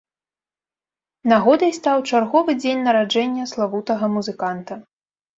Нагодай стаў чарговы дзень нараджэння славутага музыканта.